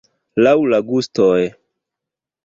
Laŭ la gustoj.